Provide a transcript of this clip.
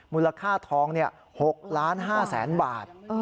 มูลค่าทอง๖๕๐๐๐๐บาท